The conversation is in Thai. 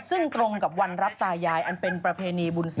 ซึ่งตรงกับวันรับตายายอันเป็นประเพณีบุญสง